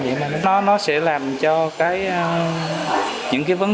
nó minh bạch nó minh bạch và nó công khai hơn